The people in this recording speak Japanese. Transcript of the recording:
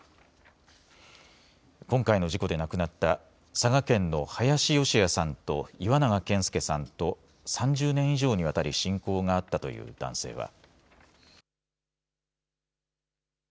今回の事故で亡くなった佐賀県の林善也さんと岩永健介さんと３０年以上にわたり親交があったという男性は。